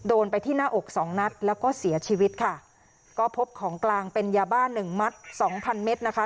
โดนไปที่หน้าอกสองนัดแล้วก็เสียชีวิตค่ะก็พบของกลางเป็นยาบ้านหนึ่งมัดสองพันเมตรนะคะ